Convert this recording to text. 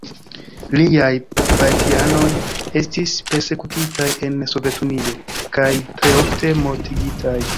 Liaj partianoj estis persekutitaj en Sovetunio, kaj tre ofte mortigitaj.